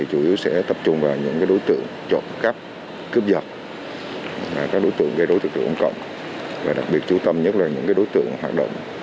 các đối tượng gây đối tượng trực tượng cộng cộng và đặc biệt chú tâm nhất là những đối tượng hoạt động